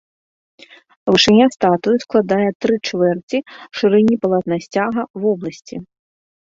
Вышыня статуі складае тры чвэрці шырыні палатна сцяга вобласці.